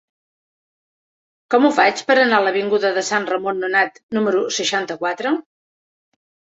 Com ho faig per anar a l'avinguda de Sant Ramon Nonat número seixanta-quatre?